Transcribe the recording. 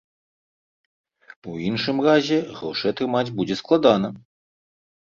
У іншым разе грошы атрымаць будзе складана.